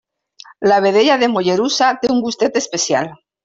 La vedella de Mollerussa té un gustet especial.